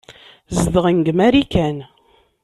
Zedɣen deg Marikan.